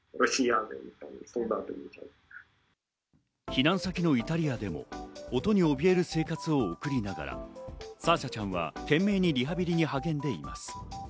避難先のイタリアでも音におびえる生活を送りながら、サーシャちゃんは懸命にリハビリに励んでいます。